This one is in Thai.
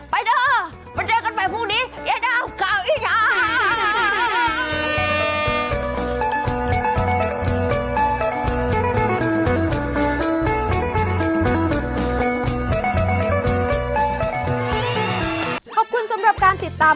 ไปเด้อไปเจอกันไปพรุ่งนี้